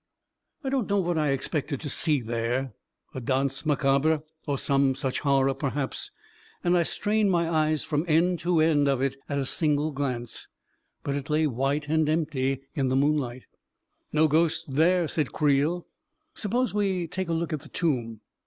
I don't know what I expected to see there — a danse macabre, or some such horror, perhaps — and I strained my eyes from end to end of it at a single glance; but it lay white and empty in the moon light. 3H 1 I a $ i 1 I A KING IN BABYLON 315 "No ghosts there," said Creel. "Suppose we take a look in the tomb."